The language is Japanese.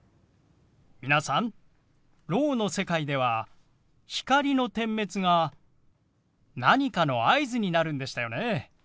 皆さんろうの世界では光の点滅が何かの合図になるんでしたよね。